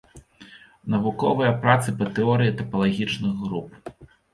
Навуковыя працы па тэорыі тапалагічных груп.